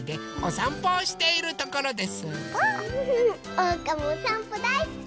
おうかもおさんぽだいすき！